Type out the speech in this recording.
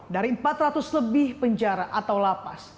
dari empat ratus lebih penjara atau lapas